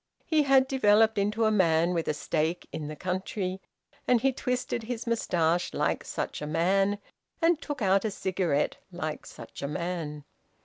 He had developed into a man with a stake in the country, and he twisted his moustache like such a man, and took out a cigarette like such a man.